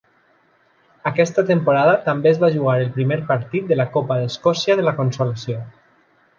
Aquesta temporada també es va jugar el primer partit de la Copa d'Escòcia de la Consolació.